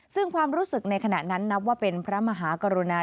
ซึ่งความรู้สึกในขณะนั้นนับว่าเป็นพระมหากรุณา